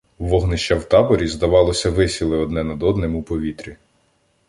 Вогнища в таборі, здавалося, висіли одне над одним у повітрі.